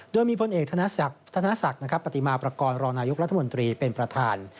โดยมีพลเอกธนศักดิ์ปฏิมาประกอบรองนายกรัฐมนตรีเป็นประธาน